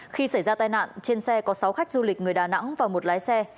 khi xảy ra tai nạn trên xe có sáu khách du lịch người đà nẵng và một lái xe